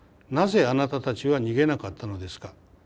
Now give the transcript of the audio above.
なぜあなたたちは逃げなかったのですか」。